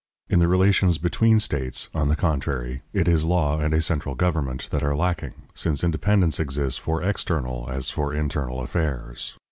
In the relations between states, on the contrary, it is law and a central government that are lacking, since independence exists for external as for internal affairs.